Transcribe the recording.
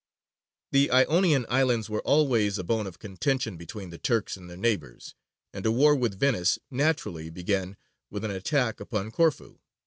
The Ionian islands were always a bone of contention between the Turks and their neighbours, and a war with Venice naturally began with an attack upon Corfu.